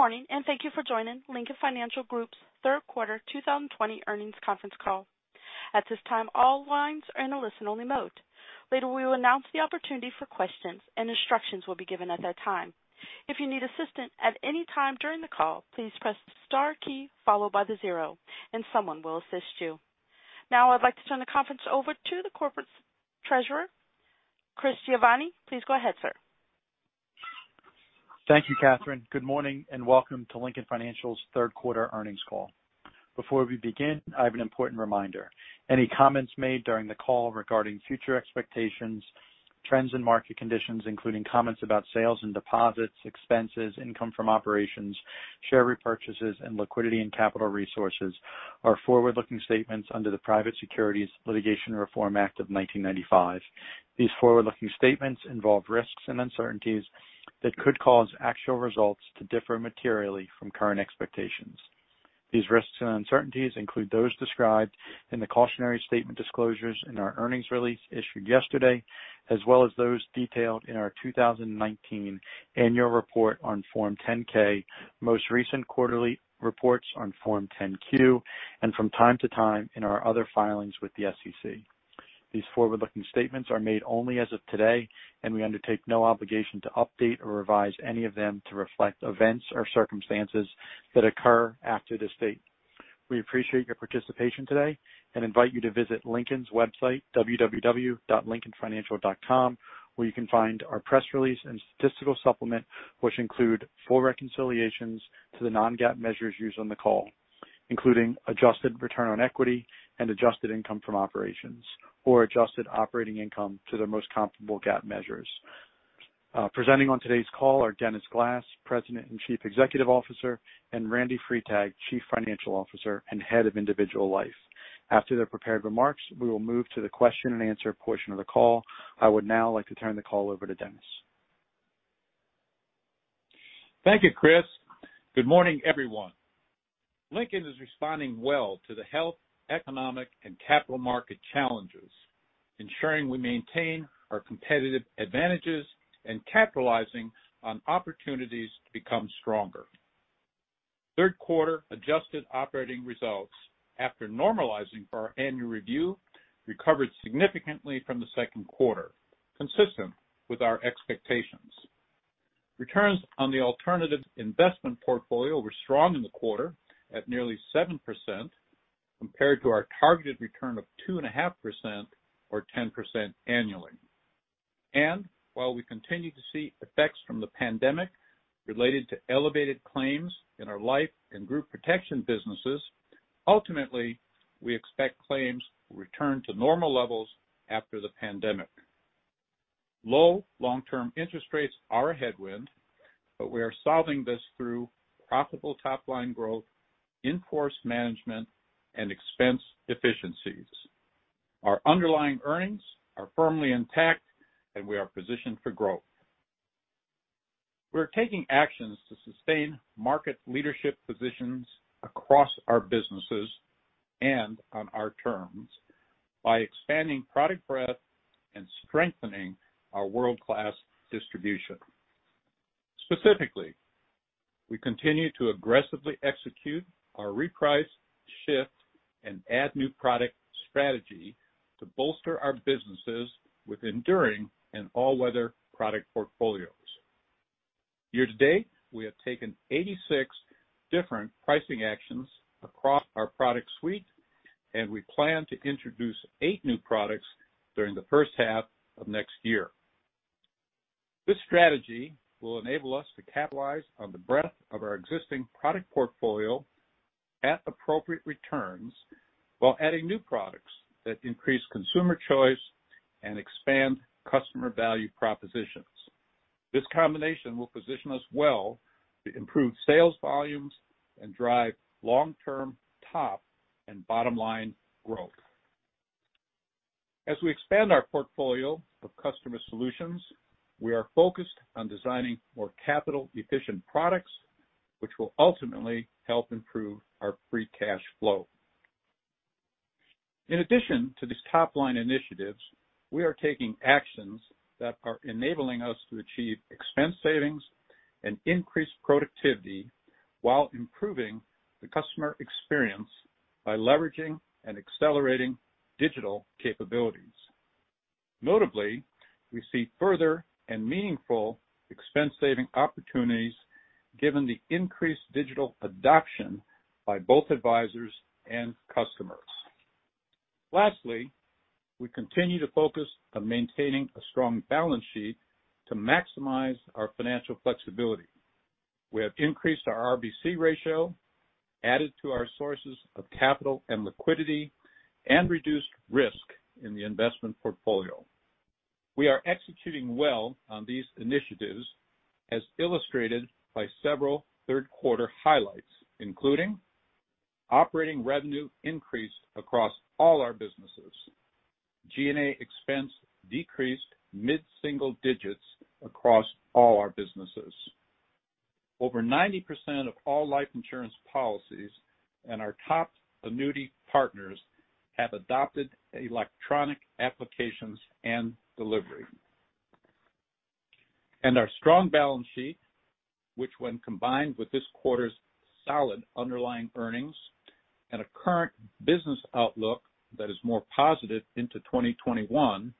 Morning, thank you for joining Lincoln Financial Group's third quarter 2020 earnings conference call. At this time, all lines are in a listen only mode. Later, we will announce the opportunity for questions, and instructions will be given at that time. If you need assistance at any time during the call, please press the star key followed by the zero and someone will assist you. Now I'd like to turn the conference over to the Corporate Treasurer, Chris Giovanni. Please go ahead, sir. Thank you, Catherine. Good morning, welcome to Lincoln Financial's third quarter earnings call. Before we begin, I have an important reminder. Any comments made during the call regarding future expectations, trends and market conditions, including comments about sales and deposits, expenses, income from operations, share repurchases, and liquidity and capital resources are forward-looking statements under the Private Securities Litigation Reform Act of 1995. These forward-looking statements involve risks and uncertainties that could cause actual results to differ materially from current expectations. These risks and uncertainties include those described in the cautionary statement disclosures in our earnings release issued yesterday, as well as those detailed in our 2019 annual report on Form 10-K, most recent quarterly reports on Form 10-Q, and from time to time in our other filings with the SEC. These forward-looking statements are made only as of today, we undertake no obligation to update or revise any of them to reflect events or circumstances that occur after this date. We appreciate your participation today and invite you to visit Lincoln's website, www.lincolnfinancial.com, where you can find our press release and statistical supplement, which include full reconciliations to the non-GAAP measures used on the call, including adjusted return on equity and adjusted income from operations or adjusted operating income to their most comparable GAAP measures. Presenting on today's call are Dennis Glass, President and Chief Executive Officer, and Randy Freitag, Chief Financial Officer and Head of Individual Life. After their prepared remarks, we will move to the question and answer portion of the call. I would now like to turn the call over to Dennis. Thank you, Chris. Good morning, everyone. Lincoln is responding well to the health, economic, and capital market challenges, ensuring we maintain our competitive advantages and capitalizing on opportunities to become stronger. Third quarter adjusted operating results after normalizing for our annual review recovered significantly from the second quarter, consistent with our expectations. Returns on the alternative investment portfolio were strong in the quarter at nearly 7%, compared to our targeted return of 2.5% or 10% annually. While we continue to see effects from the pandemic related to elevated claims in our life and Group Protection businesses, ultimately, we expect claims will return to normal levels after the pandemic. Low long-term interest rates are a headwind, but we are solving this through profitable top-line growth, in-force management, and expense efficiencies. Our underlying earnings are firmly intact, and we are positioned for growth. We're taking actions to sustain market leadership positions across our businesses and on our terms by expanding product breadth and strengthening our world-class distribution. Specifically, we continue to aggressively execute our reprice, shift, and add new product strategy to bolster our businesses with enduring and all-weather product portfolios. Year to date, we have taken 86 different pricing actions across our product suite, and we plan to introduce eight new products during the first half of next year. This strategy will enable us to capitalize on the breadth of our existing product portfolio at appropriate returns while adding new products that increase consumer choice and expand customer value propositions. This combination will position us well to improve sales volumes and drive long-term top and bottom-line growth. As we expand our portfolio of customer solutions, we are focused on designing more capital-efficient products, which will ultimately help improve our free cash flow. In addition to these top-line initiatives, we are taking actions that are enabling us to achieve expense savings and increase productivity while improving the customer experience by leveraging and accelerating digital capabilities. Notably, we see further and meaningful expense saving opportunities given the increased digital adoption by both advisors and customers. Lastly, we continue to focus on maintaining a strong balance sheet to maximize our financial flexibility. We have increased our RBC ratio, added to our sources of capital and liquidity, and reduced risk in the investment portfolio. We are executing well on these initiatives as illustrated by several third quarter highlights, including operating revenue increase across all our businesses. G&A expense decreased mid-single digits across all our businesses. Over 90% of all Life Insurance policies and our top annuity partners have adopted electronic applications and delivery. Our strong balance sheet, which when combined with this quarter's solid underlying earnings and a current business outlook that is more positive into 2021,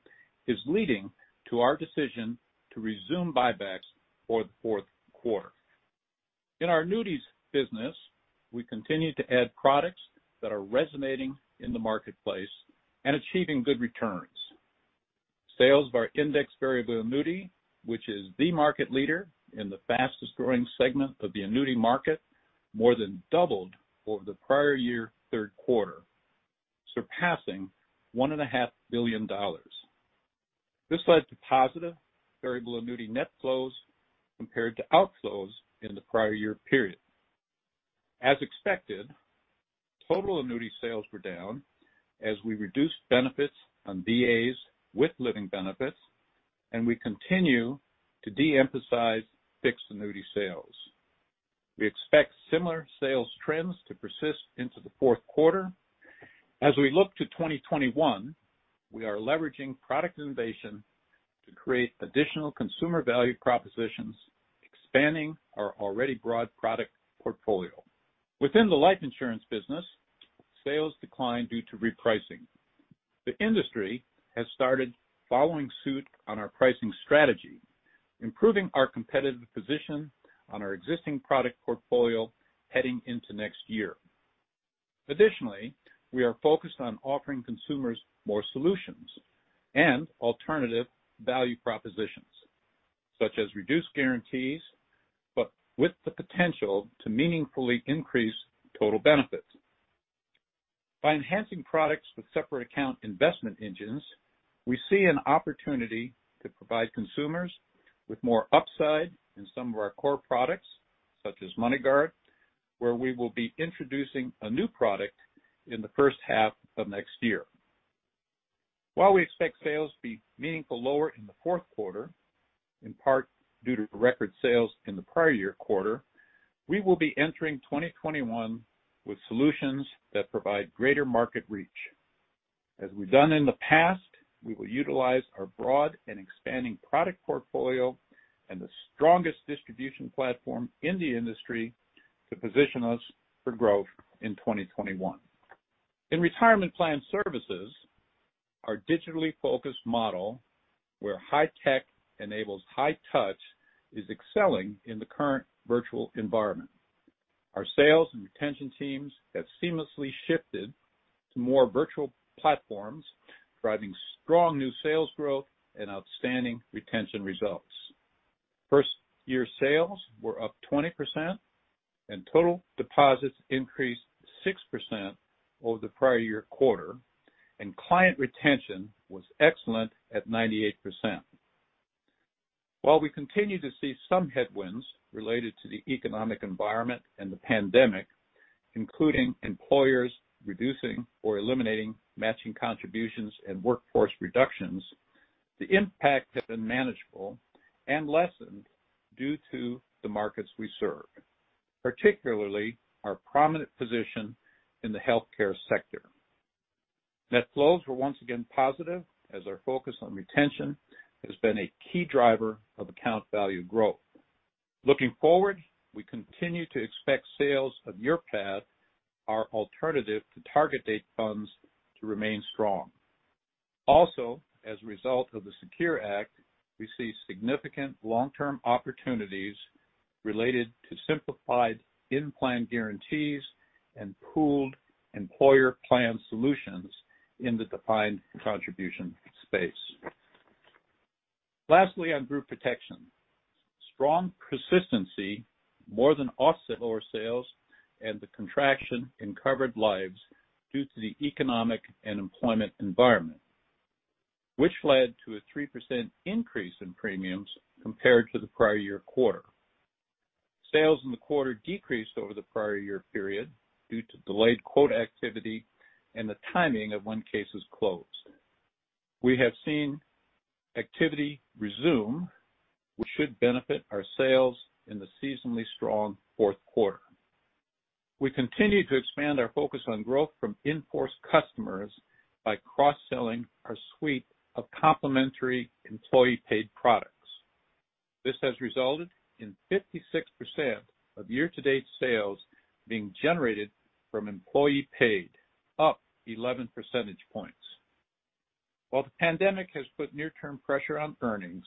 is leading to our decision to resume buybacks for the fourth quarter. In our annuity business, we continue to add products that are resonating in the marketplace and achieving good returns. Sales of our Indexed Variable Annuity, which is the market leader in the fastest-growing segment of the annuity market, more than doubled over the prior year third quarter, surpassing $1.5 billion. This led to positive variable annuity net flows compared to outflows in the prior year period. As expected, total annuity sales were down as we reduced benefits on VAs with living benefits, we continue to de-emphasize fixed annuity sales. We expect similar sales trends to persist into the fourth quarter. As we look to 2021, we are leveraging product innovation to create additional consumer value propositions, expanding our already broad product portfolio. Within the Life Insurance business, sales declined due to repricing. The industry has started following suit on our pricing strategy, improving our competitive position on our existing product portfolio heading into next year. Additionally, we are focused on offering consumers more solutions and alternative value propositions, such as reduced guarantees, but with the potential to meaningfully increase total benefits. By enhancing products with separate account investment engines, we see an opportunity to provide consumers with more upside in some of our core products, such as MoneyGuard, where we will be introducing a new product in the first half of next year. While we expect sales to be meaningfully lower in the fourth quarter, in part due to record sales in the prior year quarter, we will be entering 2021 with solutions that provide greater market reach. As we've done in the past, we will utilize our broad and expanding product portfolio and the strongest distribution platform in the industry to position us for growth in 2021. In Retirement Plan Services, our digitally focused model, where high tech enables high touch, is excelling in the current virtual environment. Our sales and retention teams have seamlessly shifted to more virtual platforms, driving strong new sales growth and outstanding retention results. First-year sales were up 20% and total deposits increased 6% over the prior year quarter, and client retention was excellent at 98%. While we continue to see some headwinds related to the economic environment and the pandemic, including employers reducing or eliminating matching contributions and workforce reductions, the impact has been manageable and lessened due to the markets we serve, particularly our prominent position in the healthcare sector. Net flows were once again positive, as our focus on retention has been a key driver of account value growth. Looking forward, we continue to expect sales of YourPath, our alternative to target date funds, to remain strong. Also, as a result of the SECURE Act, we see significant long-term opportunities related to simplified in-plan guarantees and pooled employer plan solutions in the defined contribution space. Lastly, on Group Protection, strong persistency more than offset lower sales and the contraction in covered lives due to the economic and employment environment, which led to a 3% increase in premiums compared to the prior year quarter. Sales in the quarter decreased over the prior year period due to delayed quote activity and the timing of when cases closed. We have seen activity resume, which should benefit our sales in the seasonally strong fourth quarter. We continue to expand our focus on growth from in-force customers by cross-selling our suite of complementary employee paid products. This has resulted in 56% of year-to-date sales being generated from employee paid, up 11 percentage points. While the pandemic has put near-term pressure on earnings,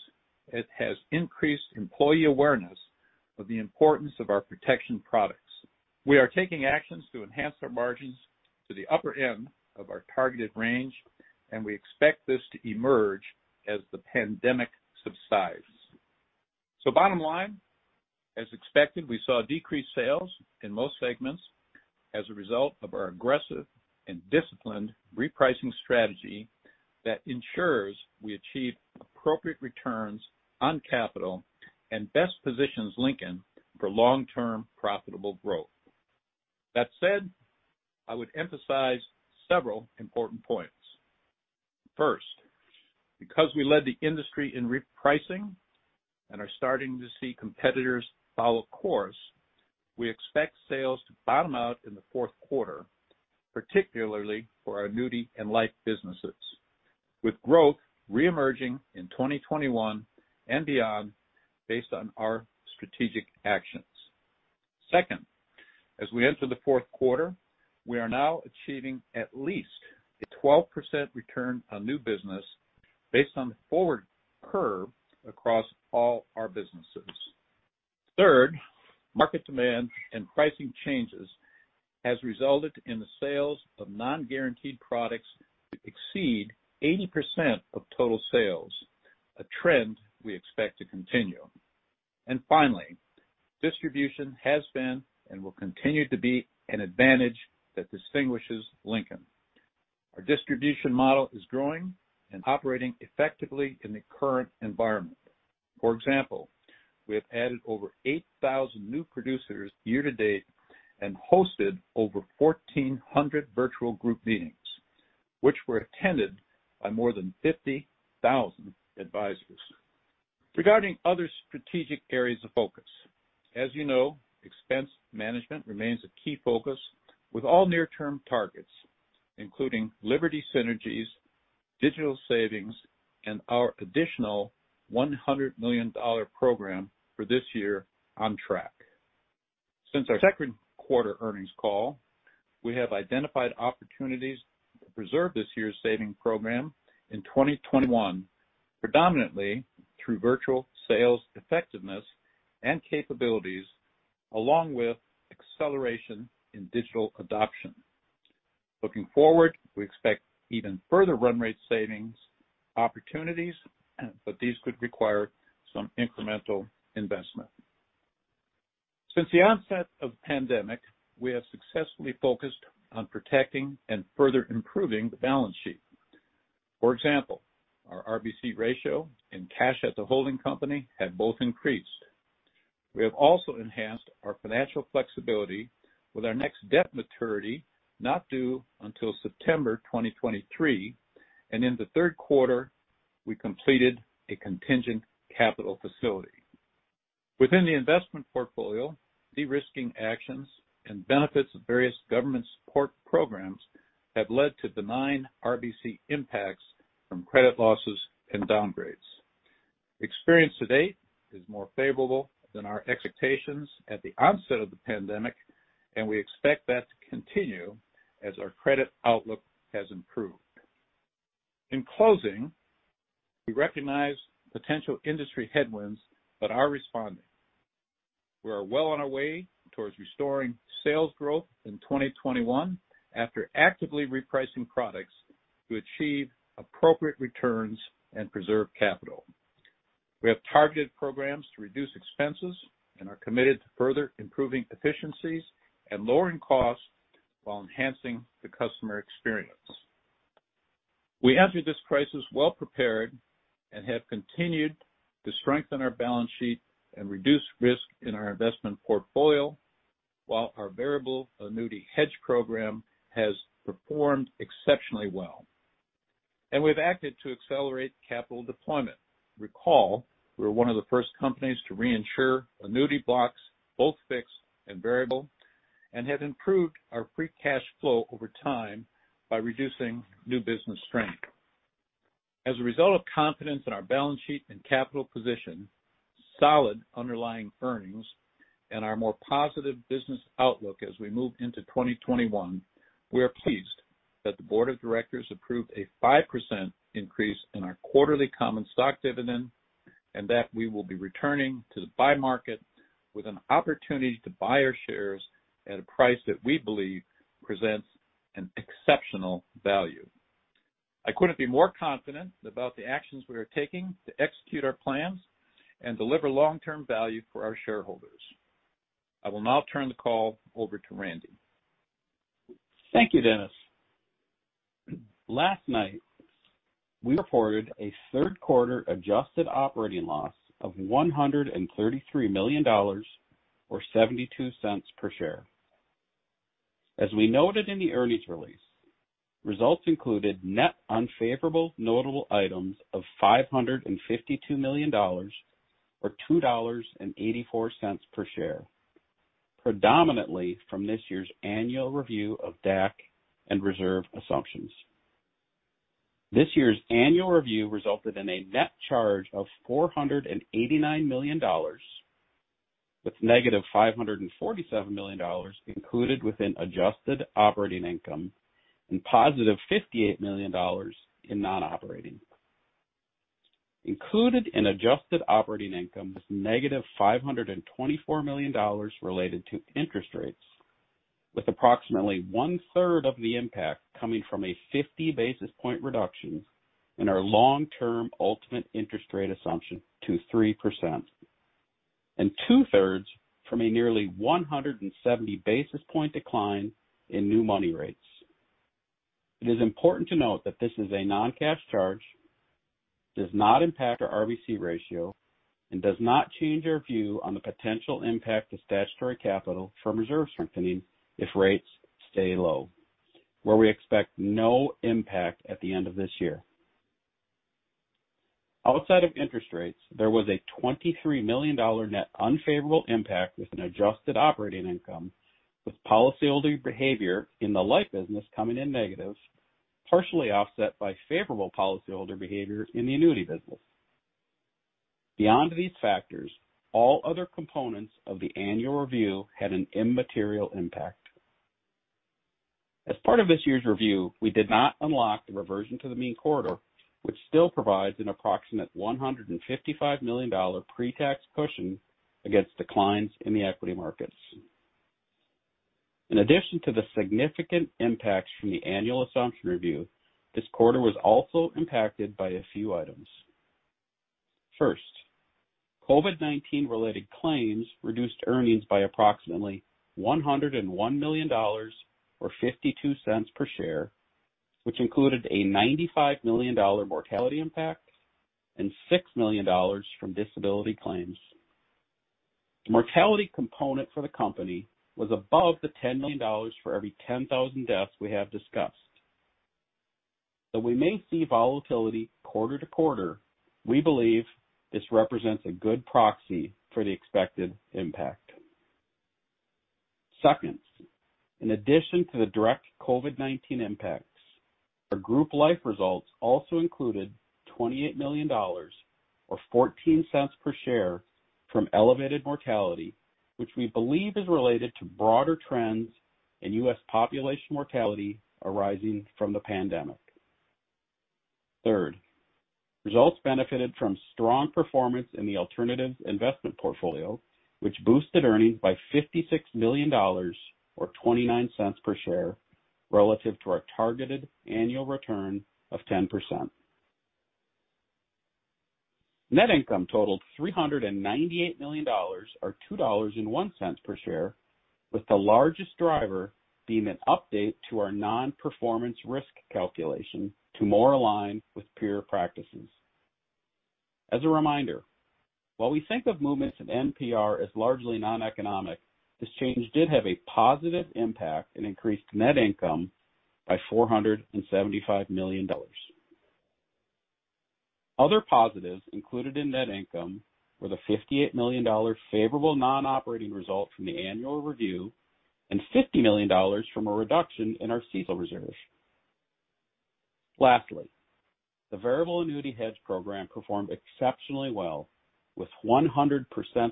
it has increased employee awareness of the importance of our protection products. We are taking actions to enhance our margins to the upper end of our targeted range, and we expect this to emerge as the pandemic subsides. Bottom line, as expected, we saw decreased sales in most segments as a result of our aggressive and disciplined repricing strategy that ensures we achieve appropriate returns on capital and best positions Lincoln for long-term profitable growth. That said, I would emphasize several important points. First, because we led the industry in repricing and are starting to see competitors follow course, we expect sales to bottom out in the fourth quarter, particularly for our annuity and life businesses, with growth reemerging in 2021 and beyond based on our strategic actions. Second, as we enter the fourth quarter, we are now achieving at least a 12% return on new business based on the forward curve across all our businesses. Third, market demand and pricing changes has resulted in the sales of non-guaranteed products to exceed 80% of total sales, a trend we expect to continue. Finally, distribution has been and will continue to be an advantage that distinguishes Lincoln. Our distribution model is growing and operating effectively in the current environment. For example, we have added over 8,000 new producers year to date and hosted over 1,400 virtual group meetings, which were attended by more than 50,000 advisors. Regarding other strategic areas of focus, as you know, expense management remains a key focus with all near-term targets, including Liberty synergies, digital savings, and our additional $100 million program for this year on track. Since our second quarter earnings call, we have identified opportunities to preserve this year's saving program in 2021, predominantly through virtual sales effectiveness and capabilities along with acceleration in digital adoption. Looking forward, we expect even further run rate savings opportunities, these could require some incremental investment. Since the onset of the pandemic, we have successfully focused on protecting and further improving the balance sheet. For example, our RBC ratio and cash as a holding company have both increased. We have also enhanced our financial flexibility with our next debt maturity not due until September 2023. In the third quarter, we completed a contingent capital facility. Within the investment portfolio, de-risking actions and benefits of various government support programs have led to benign RBC impacts from credit losses and downgrades. Experience to date is more favorable than our expectations at the onset of the pandemic, we expect that to continue as our credit outlook has improved. In closing, we recognize potential industry headwinds, are responding. We are well on our way towards restoring sales growth in 2021 after actively repricing products to achieve appropriate returns and preserve capital. We have targeted programs to reduce expenses and are committed to further improving efficiencies and lowering costs while enhancing the customer experience. We entered this crisis well-prepared and have continued to strengthen our balance sheet and reduce risk in our investment portfolio, while our variable annuity hedge program has performed exceptionally well. We've acted to accelerate capital deployment. Recall, we were one of the first companies to reinsure annuity blocks, both fixed and variable, and have improved our free cash flow over time by reducing new business strain. As a result of confidence in our balance sheet and capital position, solid underlying earnings, and our more positive business outlook as we move into 2021, we are pleased that the board of directors approved a 5% increase in our quarterly common stock dividend, that we will be returning to the buy market with an opportunity to buy our shares at a price that we believe presents an exceptional value. I couldn't be more confident about the actions we are taking to execute our plans and deliver long-term value for our shareholders. I will now turn the call over to Randy. Thank you, Dennis. Last night, we reported a third quarter adjusted operating loss of $133 million, or $0.72 per share. As we noted in the earnings release, results included net unfavorable notable items of $552 million, or $2.84 per share, predominantly from this year's annual review of DAC and reserve assumptions. This year's annual review resulted in a net charge of $489 million, with negative $547 million included within adjusted operating income and positive $58 million in non-operating. Included in adjusted operating income was negative $524 million related to interest rates, with approximately one-third of the impact coming from a 50-basis point reduction in our long-term ultimate interest rate assumption to 3%, and two-thirds from a nearly 170-basis point decline in new money rates. It is important to note that this is a non-cash charge, does not impact our RBC ratio, and does not change our view on the potential impact to statutory capital from reserve strengthening if rates stay low. We expect no impact at the end of this year. Outside of interest rates, there was a $23 million net unfavorable impact with an adjusted operating income, with policyholder behavior in the Life Insurance business coming in negative, partially offset by favorable policyholder behavior in the annuity business. Beyond these factors, all other components of the annual review had an immaterial impact. As part of this year's review, we did not unlock the reversion to the mean corridor, which still provides an approximate $155 million pre-tax cushion against declines in the equity markets. In addition to the significant impacts from the annual assumption review, this quarter was also impacted by a few items. First, COVID-19 related claims reduced earnings by approximately $101 million, or $0.52 per share, which included a $95 million mortality impact and $6 million from disability claims. The mortality component for the company was above the $10 million for every 10,000 deaths we have discussed. Though we may see volatility quarter to quarter, we believe this represents a good proxy for the expected impact. Second, in addition to the direct COVID-19 impacts, our Group Life results also included $28 million, or $0.14 per share, from elevated mortality, which we believe is related to broader trends in U.S. population mortality arising from the pandemic. Third, results benefited from strong performance in the alternative investment portfolio, which boosted earnings by $56 million, or $0.29 per share, relative to our targeted annual return of 10%. Net income totaled $398 million, or $2.01 per share, with the largest driver being an update to our non-performance risk calculation to more align with peer practices. As a reminder, while we think of movements in NPR as largely non-economic, this change did have a positive impact and increased net income by $475 million. Other positives included in net income were the $58 million favorable non-operating result from the annual review and $50 million from a reduction in our CECL reserves. Lastly, the variable annuity hedge program performed exceptionally well with 100%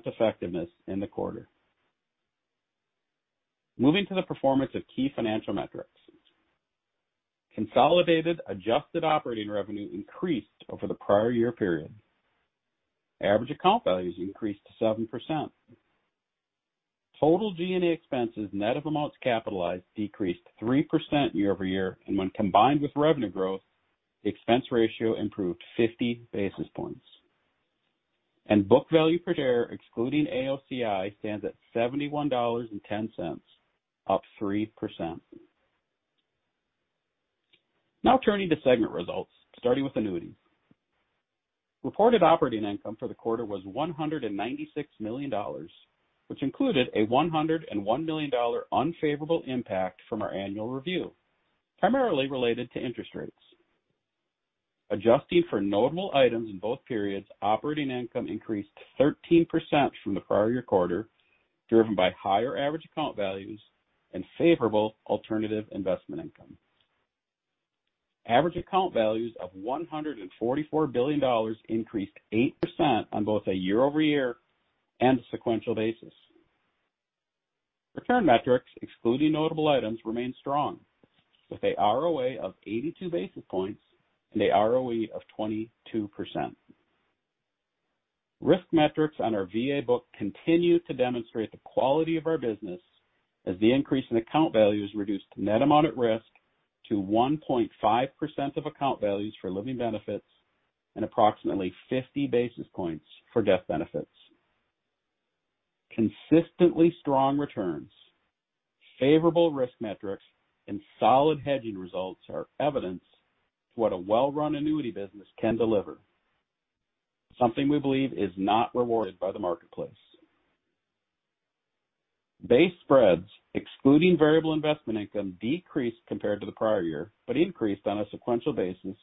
effectiveness in the quarter. Moving to the performance of key financial metrics. Consolidated adjusted operating revenue increased over the prior year period. Average account values increased 7%. Total G&A expenses net of amounts capitalized decreased 3% year-over-year, and when combined with revenue growth, the expense ratio improved 50 basis points. Book value per share, excluding AOCI, stands at $71.10, up 3%. Turning to segment results, starting with annuities. Reported operating income for the quarter was $196 million, which included a $101 million unfavorable impact from our annual review, primarily related to interest rates. Adjusting for notable items in both periods, operating income increased 13% from the prior year quarter, driven by higher average account values and favorable alternative investment income. Average account values of $144 billion increased 8% on both a year-over-year and sequential basis. Return metrics, excluding notable items, remain strong, with a ROA of 82 basis points and a ROE of 22%. Risk metrics on our VA book continue to demonstrate the quality of our business as the increase in account values reduced net amount at risk to 1.5% of account values for living benefits and approximately 50 basis points for death benefits. Consistently strong returns, favorable risk metrics, and solid hedging results are evidence to what a well-run annuity business can deliver. Something we believe is not rewarded by the marketplace. Base spreads, excluding variable investment income, decreased compared to the prior year, but increased on a sequential basis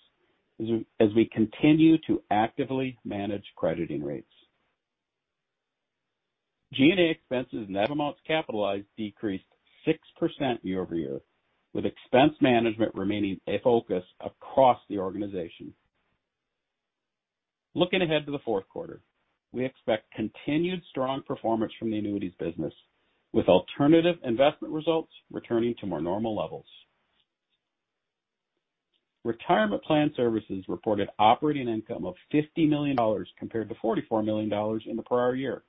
as we continue to actively manage crediting rates. G&A expenses and net amounts capitalized decreased 6% year-over-year, with expense management remaining a focus across the organization. Looking ahead to the fourth quarter, we expect continued strong performance from the annuities business, with alternative investment results returning to more normal levels. Retirement Plan Services reported operating income of $50 million compared to $44 million in the prior year,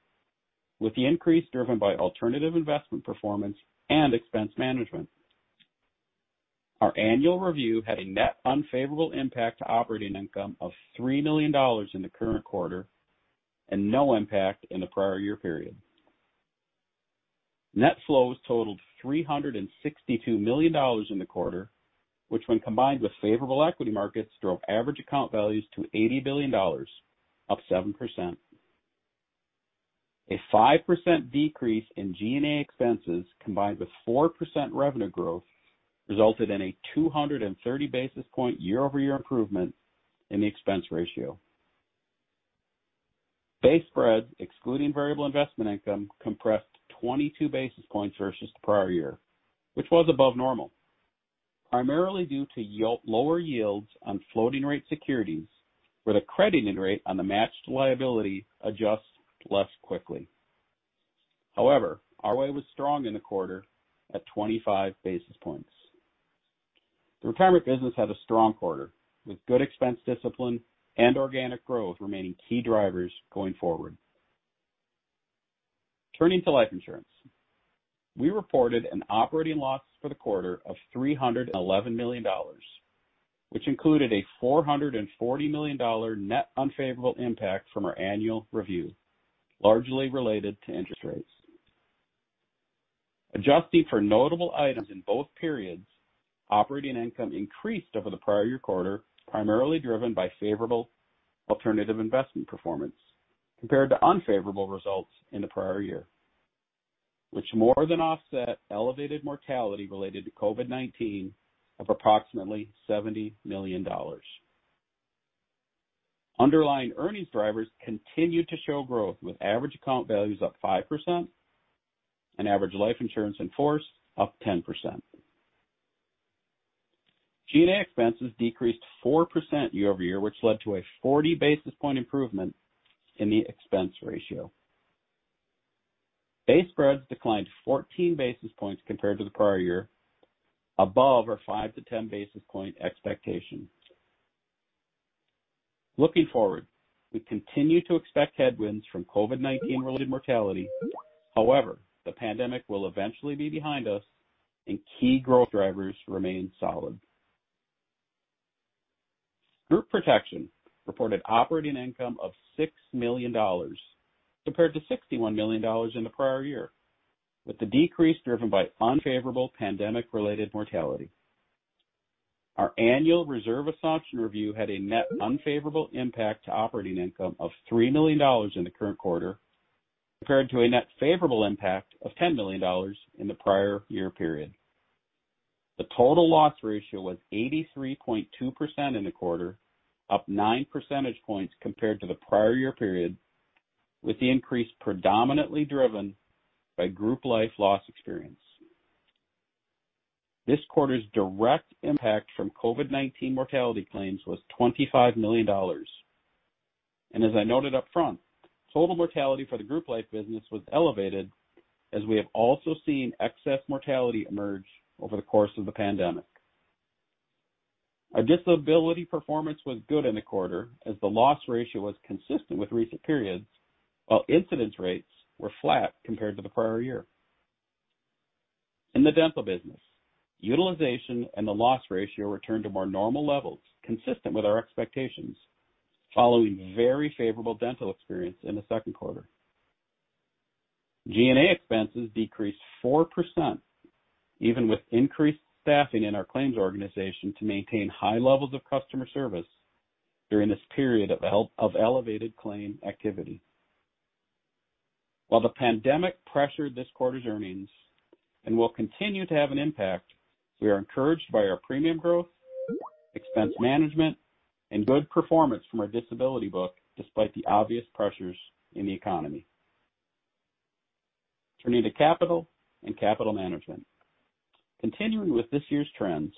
with the increase driven by alternative investment performance and expense management. Our annual review had a net unfavorable impact to operating income of $3 million in the current quarter and no impact in the prior year period. Net flows totaled $362 million in the quarter, which when combined with favorable equity markets, drove average account values to $80 billion, up 7%. A 5% decrease in G&A expenses combined with 4% revenue growth resulted in a 230 basis point year-over-year improvement in the expense ratio. Base spreads, excluding variable investment income, compressed 22 basis points versus the prior year, which was above normal, primarily due to lower yields on floating rate securities where the crediting rate on the matched liability adjusts less quickly. However, ROA was strong in the quarter at 25 basis points. The Retirement business had a strong quarter, with good expense discipline and organic growth remaining key drivers going forward. Turning to Life Insurance. We reported an operating loss for the quarter of $311 million, which included a $440 million net unfavorable impact from our annual review, largely related to interest rates. Adjusting for notable items in both periods, operating income increased over the prior year quarter, primarily driven by favorable alternative investment performance compared to unfavorable results in the prior year, which more than offset elevated mortality related to COVID-19 of approximately $70 million. Underlying earnings drivers continued to show growth, with average account values up 5% and average life insurance in force up 10%. G&A expenses decreased 4% year-over-year, which led to a 40 basis point improvement in the expense ratio. Base spreads declined 14 basis points compared to the prior year, above our 5-10 basis point expectation. Looking forward, we continue to expect headwinds from COVID-19 related mortality. However, the pandemic will eventually be behind us and key growth drivers remain solid. Group Protection reported operating income of $6 million compared to $61 million in the prior year, with the decrease driven by unfavorable pandemic related mortality. Our annual reserve assumption review had a net unfavorable impact to operating income of $3 million in the current quarter, compared to a net favorable impact of $10 million in the prior year period. The total loss ratio was 83.2% in the quarter, up nine percentage points compared to the prior year period, with the increase predominantly driven by Group Life loss experience. This quarter's direct impact from COVID-19 mortality claims was $25 million. As I noted up front, total mortality for the Group Life business was elevated as we have also seen excess mortality emerge over the course of the pandemic. Our disability performance was good in the quarter as the loss ratio was consistent with recent periods, while incidence rates were flat compared to the prior year. In the Dental business, utilization and the loss ratio returned to more normal levels consistent with our expectations, following very favorable Dental experience in the second quarter. G&A expenses decreased 4%, even with increased staffing in our claims organization to maintain high levels of customer service during this period of elevated claim activity. While the pandemic pressured this quarter's earnings and will continue to have an impact, we are encouraged by our premium growth, expense management, and good performance from our disability book, despite the obvious pressures in the economy. Turning to capital and capital management. Continuing with this year's trends,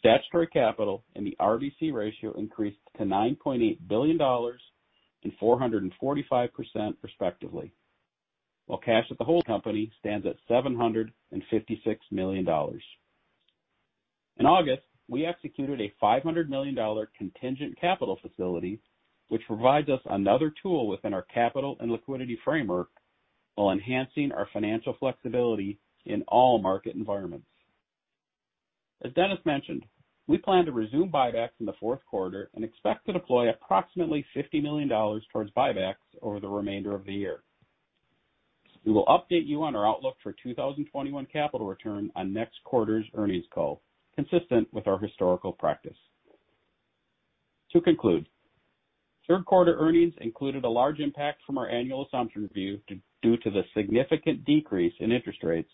statutory capital and the RBC ratio increased to $9.8 billion and 445% respectively, while cash at the whole company stands at $756 million. In August, we executed a $500 million contingent capital facility, which provides us another tool within our capital and liquidity framework while enhancing our financial flexibility in all market environments. As Dennis mentioned, we plan to resume buybacks in the fourth quarter and expect to deploy approximately $50 million towards buybacks over the remainder of the year. We will update you on our outlook for 2021 capital return on next quarter's earnings call, consistent with our historical practice. To conclude, third quarter earnings included a large impact from our annual assumption review due to the significant decrease in interest rates,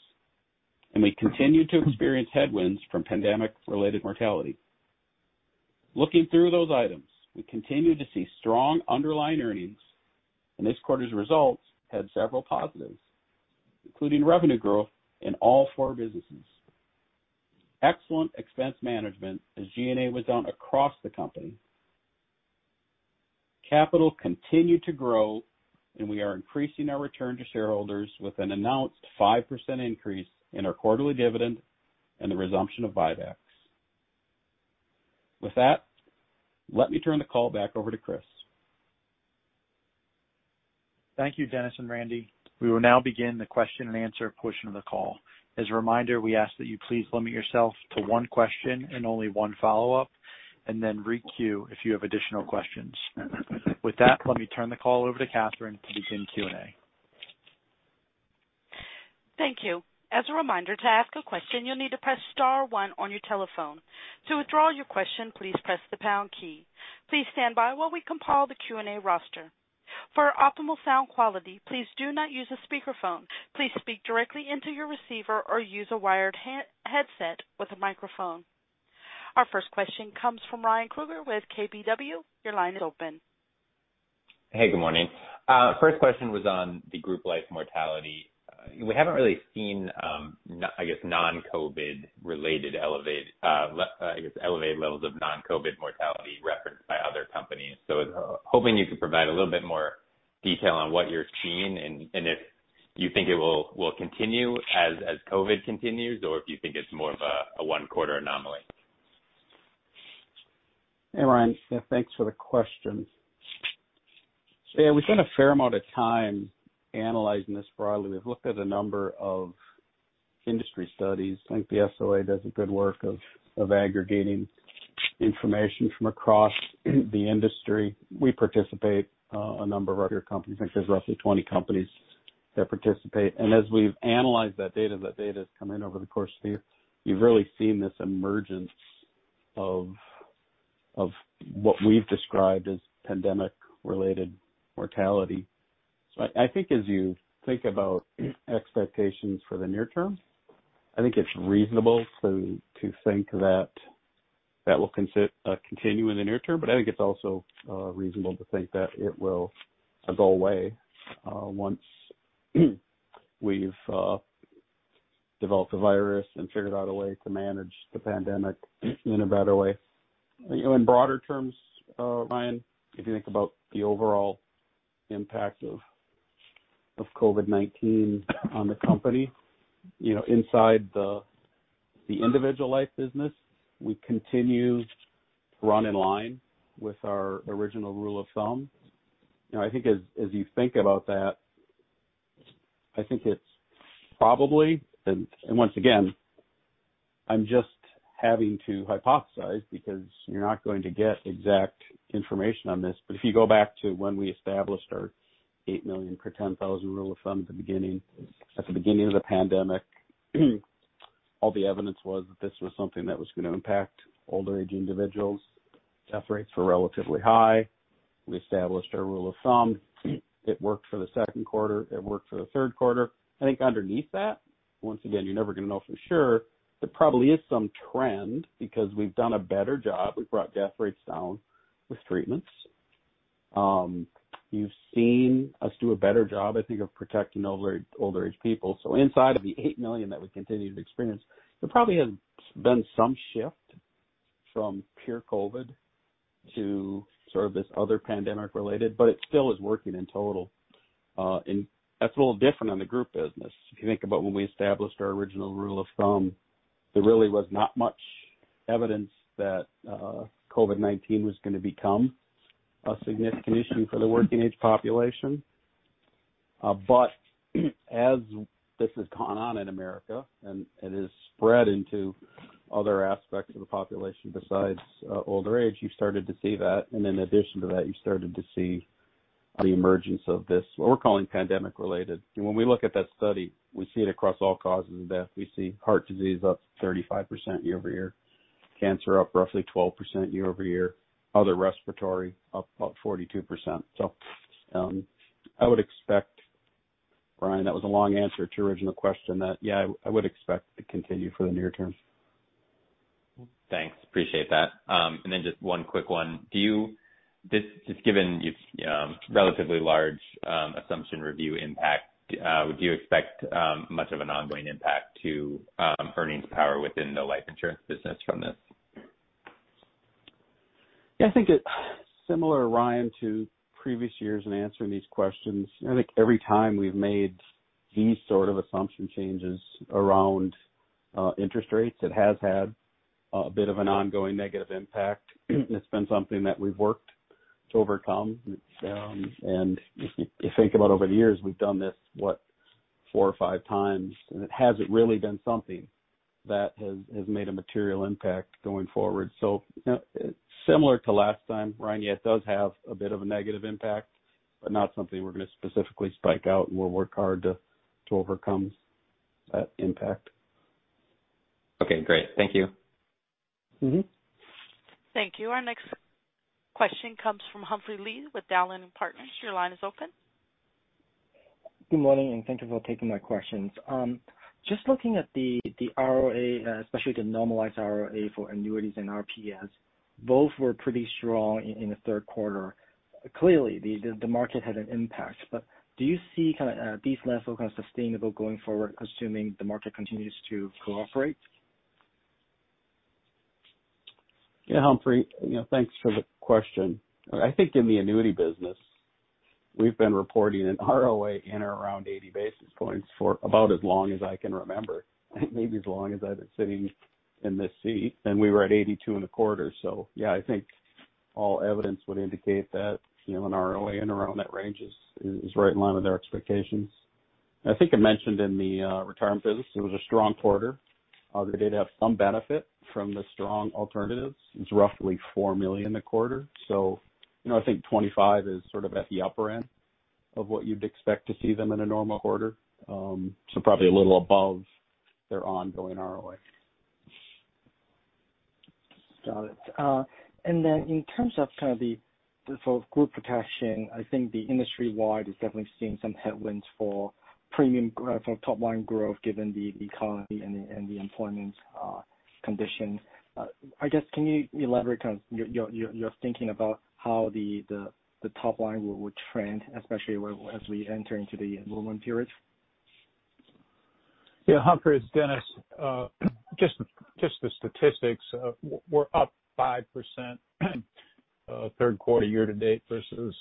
we continued to experience headwinds from pandemic related mortality. Looking through those items, we continue to see strong underlying earnings, this quarter's results had several positives, including revenue growth in all four businesses, excellent expense management as G&A was down across the company. Capital continued to grow, we are increasing our return to shareholders with an announced 5% increase in our quarterly dividend and the resumption of buybacks. With that, let me turn the call back over to Chris. Thank you, Dennis and Randy. We will now begin the question and answer portion of the call. As a reminder, we ask that you please limit yourself to one question and only one follow-up, and then re-queue if you have additional questions. With that, let me turn the call over to Catherine to begin Q&A. Thank you. As a reminder, to ask a question, you will need to press star one on your telephone. To withdraw your question, please press the pound key. Please stand by while we compile the Q&A roster. For optimal sound quality, please do not use a speakerphone. Please speak directly into your receiver or use a wired headset with a microphone. Our first question comes from Ryan Krueger with KBW. Your line is open. Hey, good morning. First question was on the Group Life mortality. We have not really seen, I guess, elevated levels of non-COVID mortality referenced by other companies. I was hoping you could provide a little bit more detail on what you are seeing and if you think it will continue as COVID continues, or if you think it is more of a one-quarter anomaly. Hey, Ryan. Yeah, thanks for the question. Yeah, we have spent a fair amount of time analyzing this broadly. We have looked at a number of industry studies. I think the SOA does a good work of aggregating information from across the industry. We participate, a number of other companies, I think there is roughly 20 companies that participate. As we have analyzed that data, that data has come in over the course of the year, we have really seen this emergence of what we have described as pandemic-related mortality. I think as you think about expectations for the near term, I think it is reasonable to think that that will continue in the near term, but I think it is also reasonable to think that it will go away once we have developed a virus and figured out a way to manage the pandemic in a better way. In broader terms, Ryan, if you think about the overall impact of COVID-19 on the company, inside the individual Life Insurance business, we continue to run in line with our original rule of thumb. I think as you think about that, I think it's probably, and once again, I'm just having to hypothesize because you're not going to get exact information on this, but if you go back to when we established our $8 million per 10,000 rule of thumb at the beginning of the pandemic, all the evidence was that this was something that was going to impact older age individuals. Death rates were relatively high. We established our rule of thumb. It worked for the second quarter, it worked for the third quarter. I think underneath that, once again, you're never going to know for sure, there probably is some trend because we've done a better job. We've brought death rates down with treatments. You've seen us do a better job, I think, of protecting older age people. Inside of the $8 million that we continue to experience, there probably has been some shift from pure COVID to sort of this other pandemic related, but it still is working in total. That's a little different on the Group Protection business. If you think about when we established our original rule of thumb, there really was not much evidence that COVID-19 was going to become a significant issue for the working age population. As this has gone on in America, it has spread into other aspects of the population besides older age, you've started to see that, and in addition to that, you've started to see the emergence of this, what we're calling pandemic related. When we look at that study, we see it across all causes of death. We see heart disease up 35% year-over-year, cancer up roughly 12% year-over-year, other respiratory up about 42%. I would expect, Ryan, that was a long answer to your original question that, yeah, I would expect to continue for the near term. Thanks. Appreciate that. Then just one quick one. Just given your relatively large assumption review impact, do you expect much of an ongoing impact to earnings power within the Life Insurance business from this? Yeah, I think it similar, Ryan, to previous years in answering these questions. I think every time we've made these sort of assumption changes around interest rates, it has had a bit of an ongoing negative impact. It's been something that we've worked to overcome. If you think about over the years, we've done this, what, four or five times, and it hasn't really been something that has made a material impact going forward. Similar to last time, Ryan, yeah, it does have a bit of a negative impact, but not something we're going to specifically spike out, and we'll work hard to overcome that impact. Okay, great. Thank you. Thank you. Our next question comes from Humphrey Lee with Dowling & Partners. Your line is open. Good morning, and thank you for taking my questions. Just looking at the ROA, especially the normalized ROA for annuities and RPS, both were pretty strong in the third quarter. Clearly, the market had an impact, do you see kind of these levels kind of sustainable going forward, assuming the market continues to cooperate? Yeah, Humphrey, thanks for the question. I think in the annuity business, we've been reporting an ROA in or around 80 basis points for about as long as I can remember, maybe as long as I've been sitting in this seat, and we were at 82 in the quarter. I think all evidence would indicate that an ROA in or around that range is right in line with our expectations. I think I mentioned in the Retirement business, it was a strong quarter. They did have some benefit from the strong alternatives. It's roughly $4 million a quarter. I think 25 is sort of at the upper end of what you'd expect to see them in a normal quarter. Probably a little above their ongoing ROA. Got it. In terms of kind of the Group Protection, I think the industry-wide is definitely seeing some headwinds for premium for top-line growth given the economy and the employment conditions. I guess, can you elaborate on your thinking about how the top-line would trend, especially as we enter into the enrollment period? Yeah. Humphrey, it's Dennis. Just the statistics, we're up 5% third quarter year-to-date versus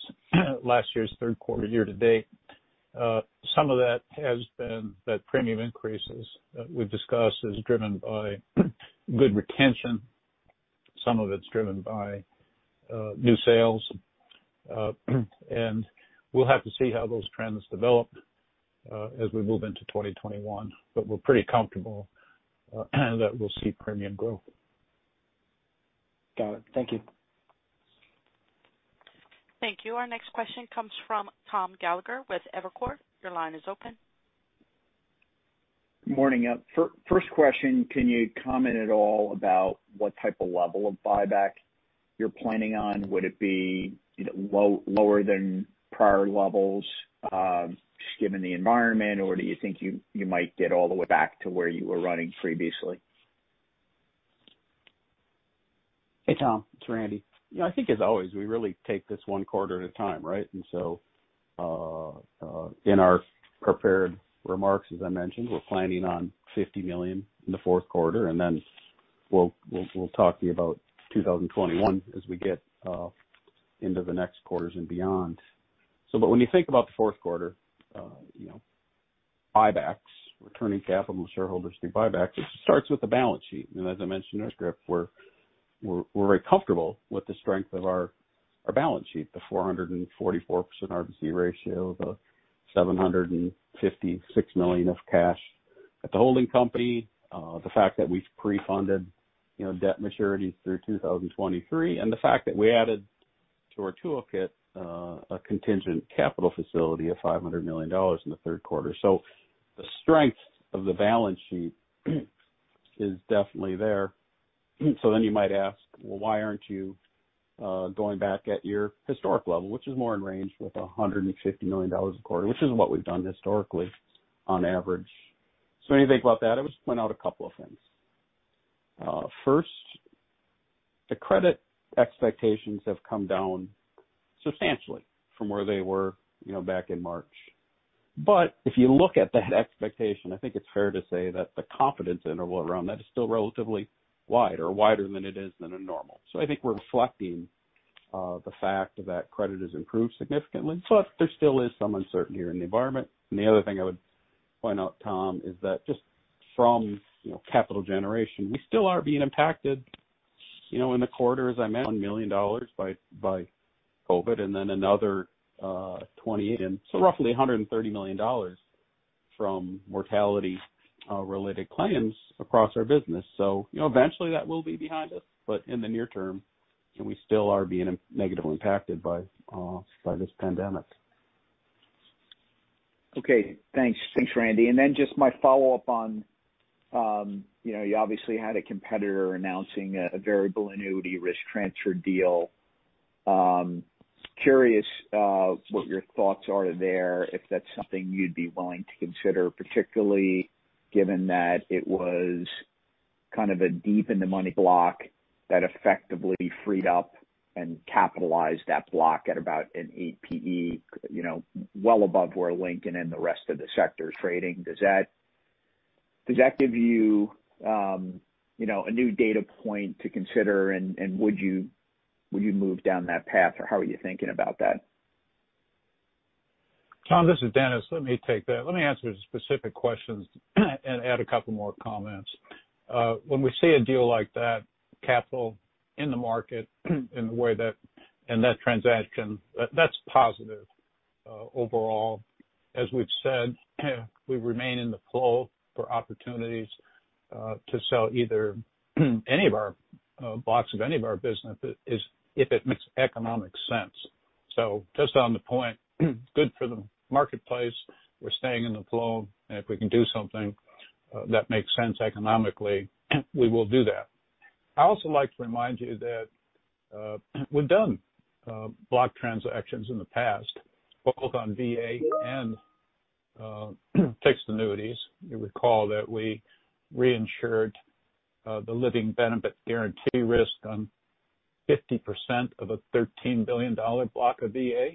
last year's third quarter year-to-date. Some of that has been that premium increases we've discussed is driven by good retention. Some of it's driven by new sales. We'll have to see how those trends develop as we move into 2021. We're pretty comfortable that we'll see premium growth. Got it. Thank you. Thank you. Our next question comes from Thomas Gallagher with Evercore. Your line is open. Morning. First question, can you comment at all about what type of level of buyback you're planning on? Would it be lower than prior levels just given the environment, or do you think you might get all the way back to where you were running previously? Hey, Tom, it's Randy. I think as always, we really take this one quarter at a time, right? In our prepared remarks, as I mentioned, we're planning on $50 million in the fourth quarter, and then we'll talk to you about 2021 as we get into the next quarters and beyond. When you think about the fourth quarter, buybacks, returning capital to shareholders through buybacks, it starts with the balance sheet. As I mentioned in our script, we're very comfortable with the strength of our balance sheet, the 444% RBC ratio, the $756 million of cash at the holding company. The fact that we've pre-funded debt maturities through 2023, and the fact that we added to our toolkit a contingent capital facility of $500 million in the third quarter. The strength of the balance sheet is definitely there. You might ask, well, why aren't you going back at your historic level, which is more in range with $150 million a quarter, which is what we've done historically on average. When you think about that, I would just point out a couple of things. First, the credit expectations have come down substantially from where they were back in March. If you look at that expectation, I think it's fair to say that the confidence interval around that is still relatively wide or wider than it is than a normal. I think we're reflecting the fact that credit has improved significantly, but there still is some uncertainty in the environment. The other thing I would point out, Tom, is that just from capital generation, we still are being impacted in the quarter, as I mentioned, $1 million by COVID and then another $28 million, so roughly $130 million from mortality related claims across our business. Eventually that will be behind us. In the near term, we still are being negatively impacted by this pandemic. Okay. Thanks, Randy. Just my follow-up on you obviously had a competitor announcing a variable annuity risk transfer deal. Curious what your thoughts are there, if that's something you'd be willing to consider, particularly given that it was kind of a deep in the money block that effectively freed up and capitalized that block at about an 8 PE well above where Lincoln and the rest of the sector is trading. Does that give you a new data point to consider and would you move down that path or how are you thinking about that? Tom, this is Dennis. Let me take that. Let me answer the specific questions and add a couple more comments. When we see a deal like that, capital in the market in the way that, in that transaction, that's positive overall. As we've said, we remain in the flow for opportunities to sell either any of our blocks of any of our business if it makes economic sense. Just on the point, good for the marketplace, we're staying in the flow and if we can do something that makes sense economically, we will do that. I also like to remind you that we've done block transactions in the past, both on VA and fixed annuities. You recall that we reinsured the living benefit guarantee risk on 50% of a $13 billion block of VA,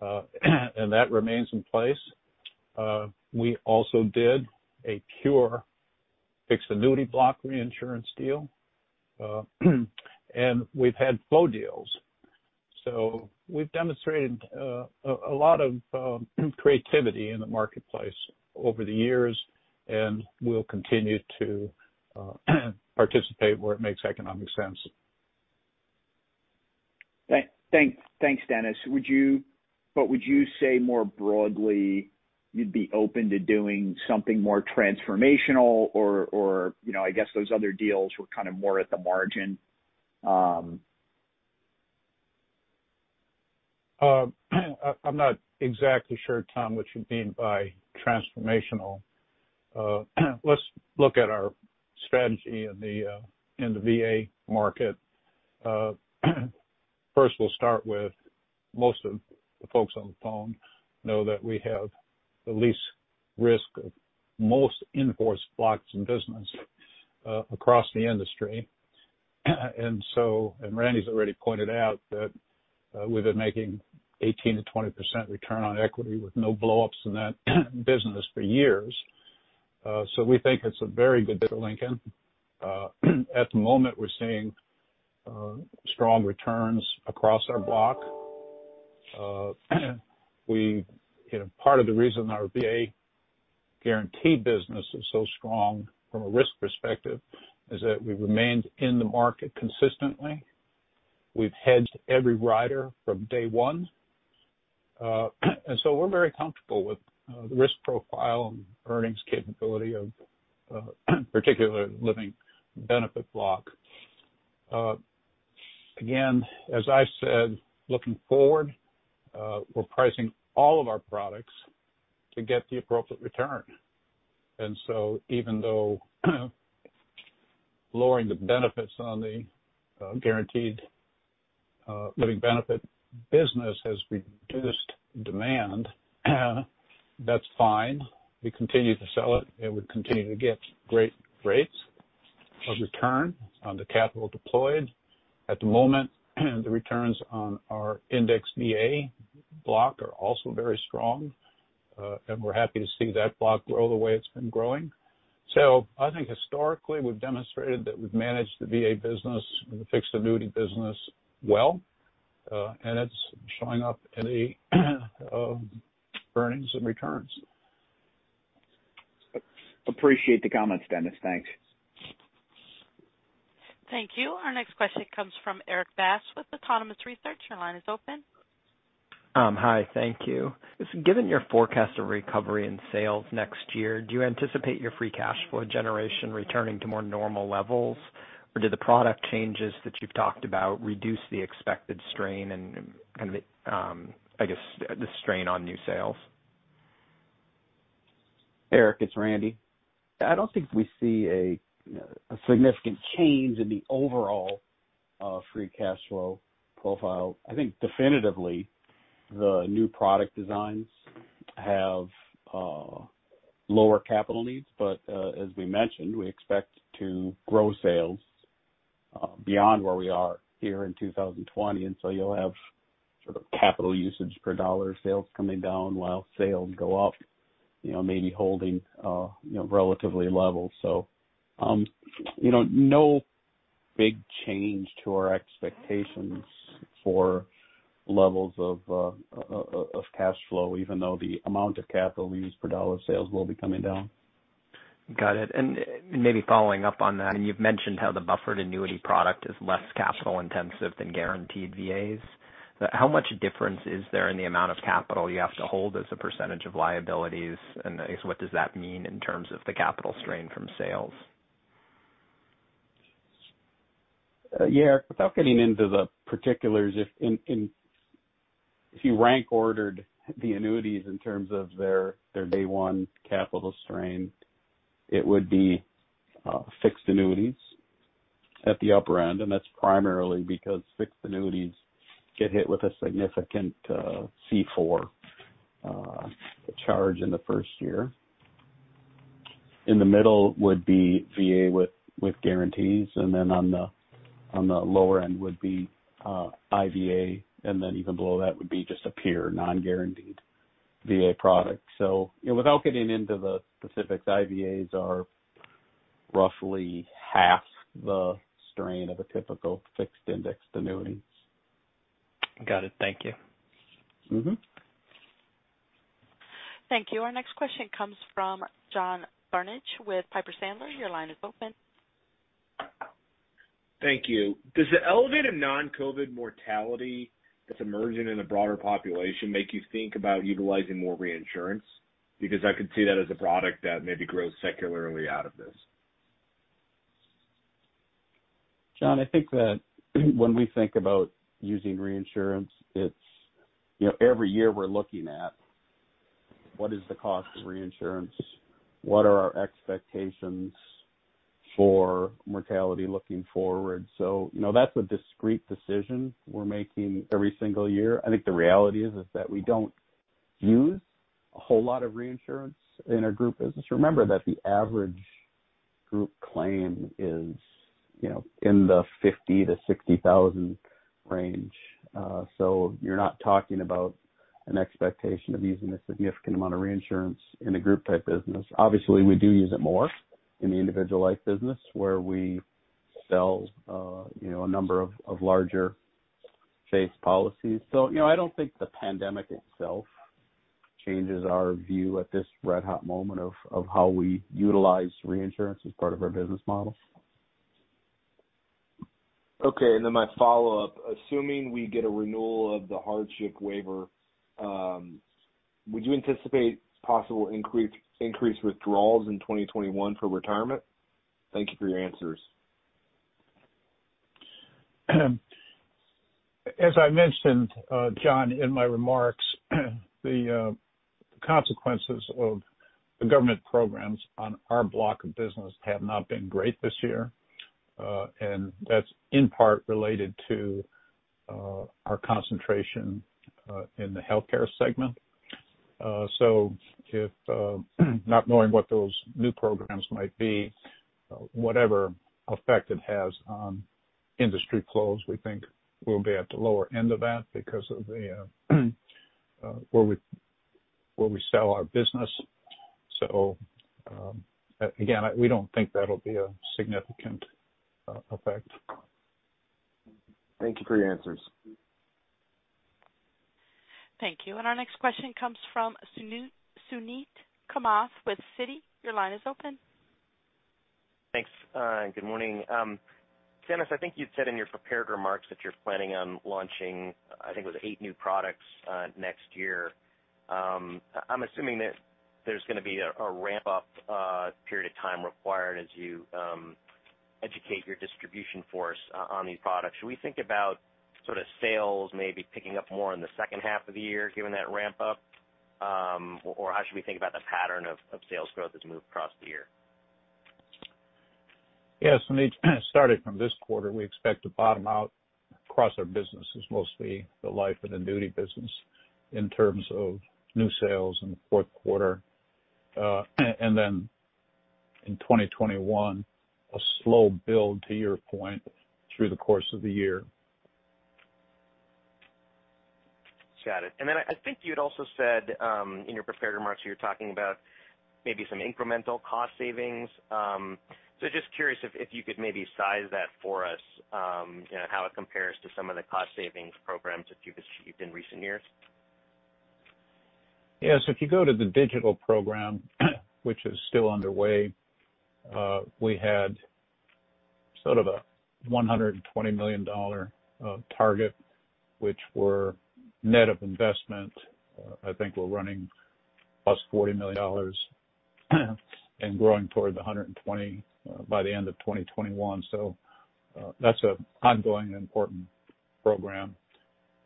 and that remains in place. We also did a pure fixed annuity block reinsurance deal, and we've had flow deals. We've demonstrated a lot of creativity in the marketplace over the years, and we'll continue to participate where it makes economic sense. Thanks, Dennis. Would you say more broadly you'd be open to doing something more transformational or, I guess those other deals were kind of more at the margin? I'm not exactly sure, Tom, what you mean by transformational. Let's look at our strategy in the VA market. First, we'll start with most of the folks on the phone know that we have the least risk of most in-force blocks in business across the industry. Randy's already pointed out that we've been making 18%-20% return on equity with no blow-ups in that business for years. We think it's very good for Lincoln. At the moment, we're seeing strong returns across our block. Part of the reason our VA guarantee business is so strong from a risk perspective is that we've remained in the market consistently. We've hedged every rider from day 1. We're very comfortable with the risk profile and earnings capability of particular living benefit block. Again, as I've said, looking forward, we're pricing all of our products to get the appropriate return. Even though lowering the benefits on the guaranteed living benefit business has reduced demand, that's fine. We continue to sell it, and we continue to get great rates of return on the capital deployed. At the moment, the returns on our index VA block are also very strong, and we're happy to see that block grow the way it's been growing. I think historically, we've demonstrated that we've managed the VA business and the fixed annuity business well, and it's showing up in the earnings and returns. Appreciate the comments, Dennis. Thanks. Thank you. Our next question comes from Erik Bass with Autonomous Research. Your line is open. Hi, thank you. Given your forecast of recovery in sales next year, do you anticipate your free cash flow generation returning to more normal levels, or do the product changes that you've talked about reduce the expected strain and, I guess, the strain on new sales? Erik, it's Randy. I don't think we see a significant change in the overall free cash flow profile. I think definitively the new product designs have lower capital needs. As we mentioned, we expect to grow sales beyond where we are here in 2020. You'll have sort of capital usage per dollar sales coming down while sales go up, maybe holding relatively level. No big change to our expectations for levels of cash flow, even though the amount of capital we use per dollar sales will be coming down. Got it. Maybe following up on that, you've mentioned how the buffered annuity product is less capital-intensive than guaranteed VAs. How much difference is there in the amount of capital you have to hold as a % of liabilities? I guess what does that mean in terms of the capital strain from sales? Yeah, Erik, without getting into the particulars, if you rank ordered the annuities in terms of their day one capital strain, it would be fixed annuities at the upper end, and that's primarily because fixed annuities get hit with a significant C4 charge in the first year. In the middle would be VA with guarantees, and then on the lower end would be IVA, and then even below that would be just a pure non-guaranteed VA product. Without getting into the specifics, IVAs are roughly half the strain of a typical fixed indexed annuity. Got it. Thank you. Thank you. Our next question comes from John Barnidge with Piper Sandler. Your line is open. Thank you. Does the elevated non-COVID mortality that's emerging in the broader population make you think about utilizing more reinsurance? I could see that as a product that maybe grows secularly out of this. John, I think that when we think about using reinsurance, it's every year we're looking at what is the cost of reinsurance, what are our expectations for mortality looking forward. That's a discrete decision we're making every single year. I think the reality is that we don't use a whole lot of reinsurance in our Group business. Remember that the average Group claim is in the $50,000-$60,000 range. You're not talking about an expectation of using a significant amount of reinsurance in a Group type business. Obviously, we do use it more in the individual life business where we sell a number of larger face policies. I don't think the pandemic itself changes our view at this red-hot moment of how we utilize reinsurance as part of our business model. Okay, my follow-up, assuming we get a renewal of the hardship waiver, would you anticipate possible increased withdrawals in 2021 for retirement? Thank you for your answers. As I mentioned, John, in my remarks, the consequences of the government programs on our block of business have not been great this year. That's in part related to our concentration in the healthcare segment. Not knowing what those new programs might be, whatever effect it has on industry close, we think we'll be at the lower end of that because of where we sell our business. Again, we don't think that'll be a significant effect. Thank you for your answers. Thank you. Our next question comes from Suneet Kamath with Citi. Your line is open. Thanks, good morning. Dennis, I think you'd said in your prepared remarks that you're planning on launching, I think it was eight new products next year. I'm assuming that there's going to be a ramp-up period of time required as you educate your distribution force on these products. Should we think about sales maybe picking up more in the second half of the year, given that ramp-up? Or how should we think about the pattern of sales growth as we move across the year? Yeah, Suneet, starting from this quarter, we expect to bottom out across our businesses, mostly the Life and the annuity business in terms of new sales in the fourth quarter. Then in 2021, a slow build, to your point, through the course of the year. Got it. I think you had also said in your prepared remarks, you were talking about maybe some incremental cost savings. Just curious if you could maybe size that for us, and how it compares to some of the cost savings programs that you've achieved in recent years. If you go to the digital program, which is still underway, we had sort of a $120 million target, which were net of investment. I think we're running plus $40 million and growing toward the $120 by the end of 2021. That's an ongoing and important program.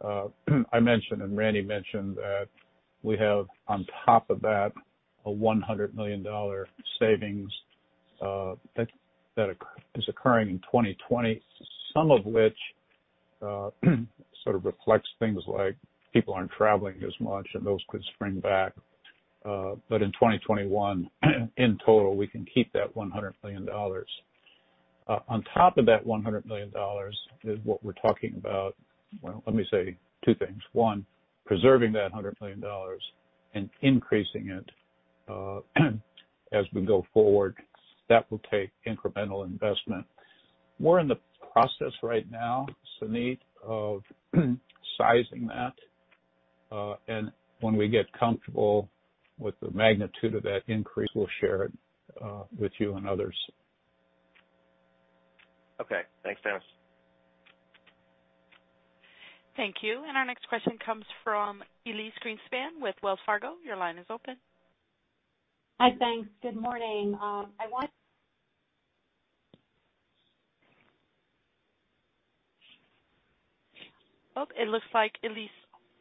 I mentioned, and Randy mentioned that we have, on top of that, a $100 million savings that is occurring in 2020, some of which sort of reflects things like people aren't traveling as much, and those could spring back. In 2021, in total, we can keep that $100 million. On top of that $100 million is what we're talking about. Well, let me say two things. One, preserving that $100 million and increasing it as we go forward. That will take incremental investment. We're in the process right now, Suneet, of sizing that, and when we get comfortable with the magnitude of that increase, we'll share it with you and others. Okay. Thanks, Dennis. Thank you. Our next question comes from Elyse Greenspan with Wells Fargo. Your line is open. Hi, thanks. Good morning. Oh, it looks like Elyse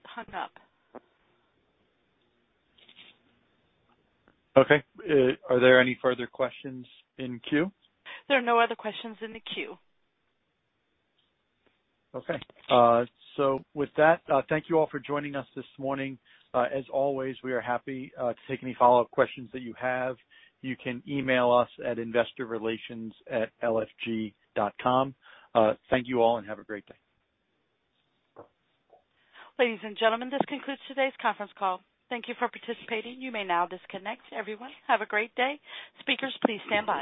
hung up. Okay. Are there any further questions in queue? There are no other questions in the queue. Okay. With that, thank you all for joining us this morning. As always, we are happy to take any follow-up questions that you have. You can email us at investorrelations@lfg.com. Thank you all, and have a great day. Ladies and gentlemen, this concludes today's conference call. Thank you for participating. You may now disconnect. Everyone, have a great day. Speakers, please stand by.